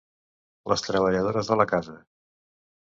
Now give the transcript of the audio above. -Les treballadores de la casa…